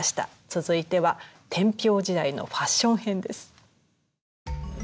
続いては天平時代のファッション編です。